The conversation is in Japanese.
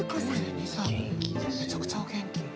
めちゃくちゃお元気。